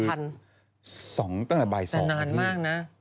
๒ตั้งแต่บ่าย๒นี่แต่นานมากนะ